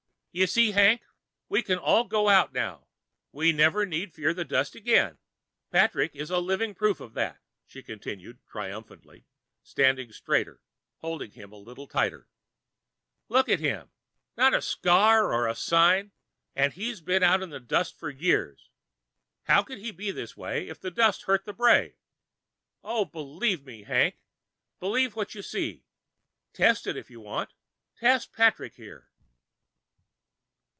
"You see, Hank? We can all go out now. We need never fear the dust again. Patrick is a living proof of that," she continued triumphantly, standing straighter, holding him a little tighter. "Look at him. Not a scar or a sign, and he's been out in the dust for years. How could he be this way, if the dust hurt the brave? Oh, believe me, Hank! Believe what you see. Test it if you want. Test Patrick here."